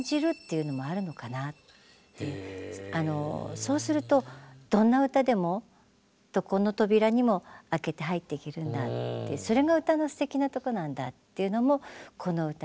そうするとどんな歌でもどこの扉にも開けて入って行けるんだってそれが歌のすてきなとこなんだっていうのもこの歌で。